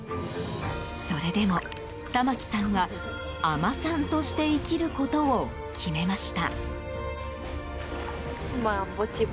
それでも玉城さんは海女さんとして生きることを決めました。